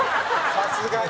さすがに。